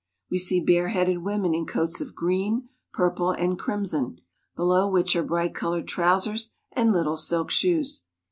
We see bareheaded women in coats of green, purple, and crimson, below which are bright colored trousers and little silk shoe^.